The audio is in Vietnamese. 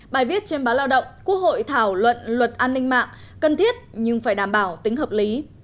bài viết trên báo lao động quốc hội thảo luận luật an ninh mạng cần thiết nhưng phải đảm bảo tính hợp lý